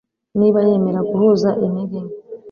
niba yemera guhuza intege nke